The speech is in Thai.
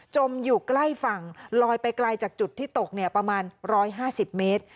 มอยู่ใกล้ฝั่งลอยไปไกลจากจุดที่ตกประมาณ๑๕๐เมตร